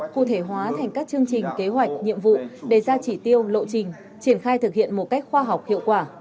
cụ thể hóa thành các chương trình kế hoạch nhiệm vụ đề ra chỉ tiêu lộ trình triển khai thực hiện một cách khoa học hiệu quả